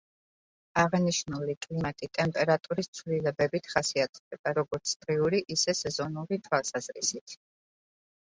აღნიშნული კლიმატი ტემპერატურის ცვლილებებით ხასიათდება, როგორც დღიური, ისე სეზონური თვალსაზრისით.